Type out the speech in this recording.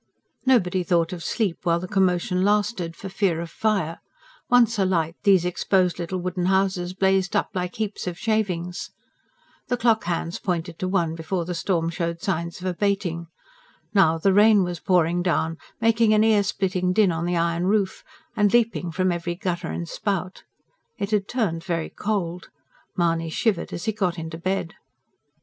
Nobody thought of sleep while the commotion lasted, for fear of fire: once alight, these exposed little wooden houses blazed up like heaps of shavings. The clock hands pointed to one before the storm showed signs of abating. Now, the rain was pouring down, making an ear splitting din on the iron roof and leaping from every gutter and spout. It had turned very cold. Mahony shivered as he got into bed.